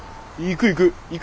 行く行く。